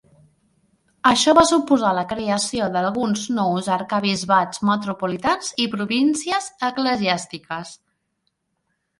Això va suposar la creació d'alguns nous arquebisbats metropolitans i províncies eclesiàstiques.